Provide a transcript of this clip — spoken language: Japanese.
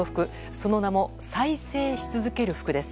その名も再生し続ける服です。